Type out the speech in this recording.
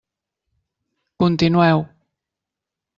Continueu.